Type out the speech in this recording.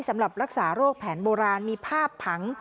สำหรับรักษาโรคแผนโบราณมีภาพผัง